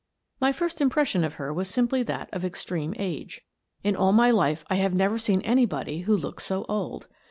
My first impression of her was simply that of extreme age. In all my life I have never seen any body who looked so old.